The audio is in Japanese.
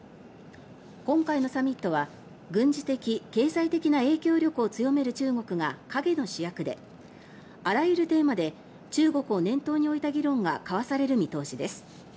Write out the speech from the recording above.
今回のサミットは軍事的・経済的な影響力を強める中国が陰の主役であらゆるテーマで中国を念頭に置いた議論が交わされる見通しです。